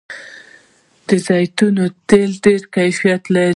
د زیتون تېل ډیر کیفیت لري.